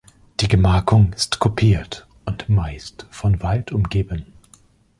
Die Gemarkung ist kupiert und meist von Wald umgeben.